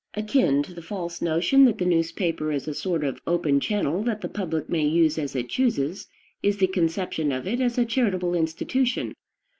Akin to the false notion that the newspaper is a sort of open channel that the public may use as it chooses, is the conception of it as a charitable institution.